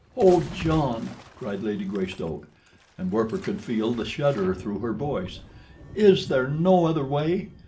"Oh, John," cried Lady Greystoke, and Werper could feel the shudder through her voice, "is there no other way?